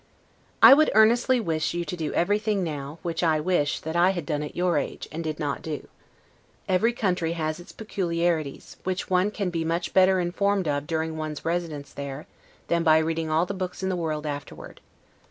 I would earnestly wish you to do everything now, which I wish, that I had done at your age, and did not do. Every country has its peculiarities, which one can be much better informed of during one's residence there, than by reading all the books in the world afterward.